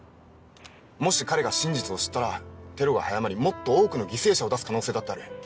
もし彼が真実を知ったらテロが早まりもっと多くの犠牲者を出す可能性だってある。